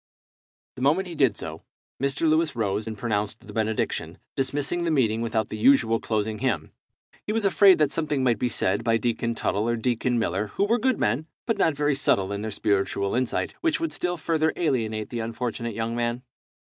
The moment he did so, Mr. Lewis rose and pronounced the benediction, dismissing the meeting without the usual closing hymn. He was afraid that something might be said by Deacon Tuttle or Deacon Miller, who were good men, but not very subtile in their spiritual insight, which would still further alienate the unfortunate young man.